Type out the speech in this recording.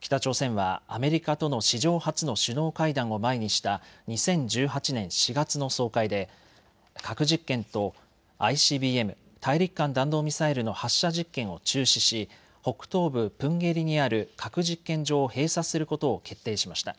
北朝鮮はアメリカとの史上初の首脳会談を前にした２０１８年４月の総会で核実験とＩＣＢＭ・大陸間弾道ミサイルの発射実験を中止し北東部プンゲリにある核実験場を閉鎖することを決定しました。